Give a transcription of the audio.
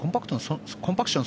コンパクション